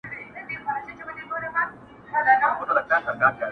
چي مي کور د رقیب سوځي دا لمبه له کومه راوړو؛